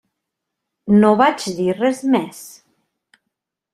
No vaig dir res més.